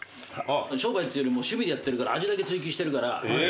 商売っつうよりも趣味でやってるから味だけ追求してるから。